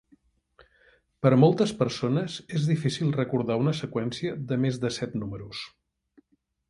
Per a moltes persones és difícil recordar una seqüència de més de set números